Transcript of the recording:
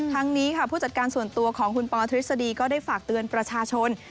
ทั้งนี้ค่ะผู้จัดการส่วนตัวของคุณปอทฤษฎีก็ได้ฝากเตือนประชาชน